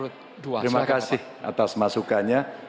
terima kasih atas masukannya